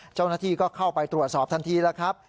เจ้าหน้าที่ก็เข้าไปตรวจสอบทันทีแล้วครับ